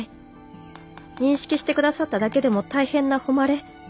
認識して下さっただけでも大変な誉れ。